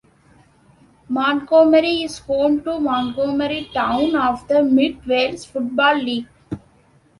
Montgomery is home to Montgomery Town of the Mid Wales Football League.